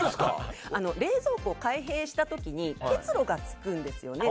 冷蔵庫、開閉した時に結露がつくんですよね。